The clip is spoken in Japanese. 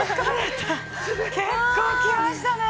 ◆結構、きましたね。